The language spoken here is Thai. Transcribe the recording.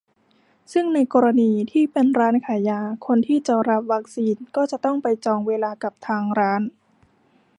ซึ่งกรณีที่เป็นร้านขายยา คนที่จะรับวัคซีนก็จะไปจองเวลากับทางร้าน